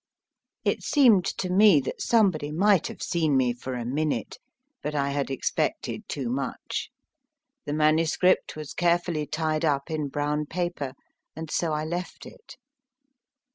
It seemed to me that somebody micrht have seen me for a o minute, but I had expected too much. The manuscript was carefully tied up in brown paper, and so I left it.